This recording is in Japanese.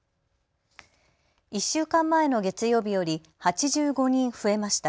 １週間前の月曜日より８５人増えました。